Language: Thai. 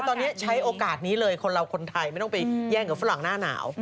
ตอนนี้ใช้โอกาสนี้เลยคนเราคนไทยไม่ต้องไปแย่งกับฝรั่งหน้าหนาว